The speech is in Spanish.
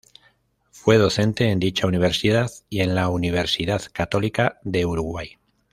Fue docente en dicha Universidad y en la Universidad Católica de Uruguay.